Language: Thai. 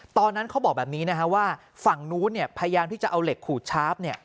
เขาบอกแบบนี้นะฮะว่าฝั่งนู้นเนี่ยพยายามที่จะเอาเหล็กขูดชาร์ฟเนี่ย